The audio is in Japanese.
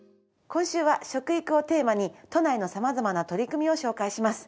今週は食育をテーマに都内の様々な取り組みを紹介します。